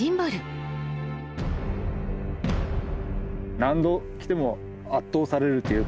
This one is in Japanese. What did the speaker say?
何度来ても圧倒されるというか